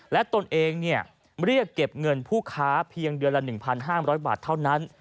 และตนเองเรียกเก็บเงินผู้ค้าเพียงเดือนละ๑๕๐๐บาทเท่านั้น